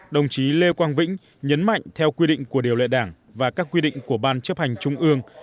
đồng chí lê quang vĩnh nhấn mạnh theo quy định của điều lệ đảng và các quy định của ban chấp hành trung ương